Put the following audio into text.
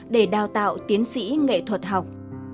để đào tạo tiến sĩ nghệ thuật học